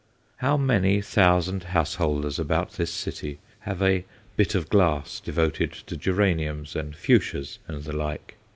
How many thousand householders about this city have a "bit of glass" devoted to geraniums and fuchsias and the like!